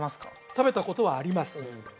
食べたことはあります